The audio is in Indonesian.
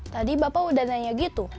tadi bapak udah nanya gitu